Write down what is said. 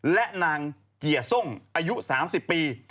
และนางเจียส้มอายุ๓๐ปี